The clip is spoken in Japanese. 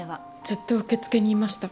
ずっと受付にいました。